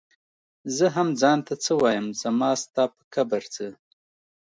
زۀ هم ځان ته څۀ وايم زما ستا پۀ کبر څۀ